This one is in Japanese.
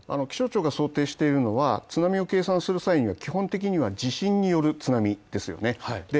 気象庁が想定しているのは津波を計算する際には地震による津波ですよね。